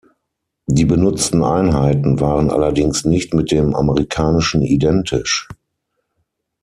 Die benutzten Einheiten waren allerdings nicht mit den amerikanischen identisch.